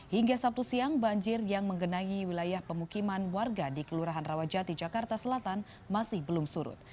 hingga sabtu siang banjir yang menggenangi wilayah pemukiman warga di kelurahan rawajati jakarta selatan masih belum surut